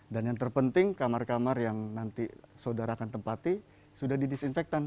yang terpenting kamar kamar yang nanti saudara akan tempati sudah didisinfektan